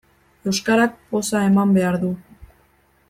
Euskarak poza eman behar du.